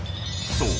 ［そう！